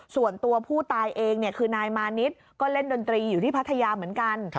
ส่วนตัวผู้ตายเองคือนายมานิดก็เล่นดนตรีอยู่ที่พัทยาเหมือนกัน